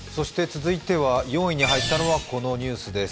続いて、４位に入ったのはこのニュースです。